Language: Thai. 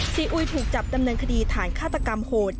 อุยถูกจับดำเนินคดีฐานฆาตกรรมโหด